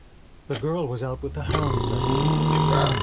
The girl was out with the hounds, I think.